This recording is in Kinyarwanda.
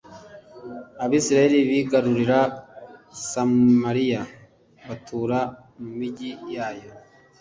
Abisirayeli bigarurira Samariya batura mu migi yayo